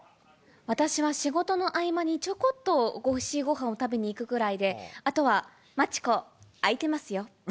私は仕事の合間にちょこっとおいしいごはんを食べに行くぐらいで、あとはまちこ、あいてますよ。